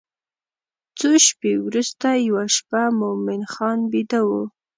څو شپې وروسته یوه شپه مومن خان بیده و.